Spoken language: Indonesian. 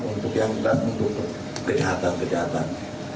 untuk yang kejahatan kejahatan